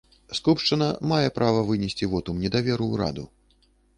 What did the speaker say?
Скупшчына мае права вынесці вотум недаверу ўраду.